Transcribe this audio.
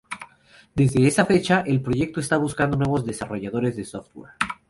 Desde esa fecha, el proyecto está buscando nuevos desarrolladores de software.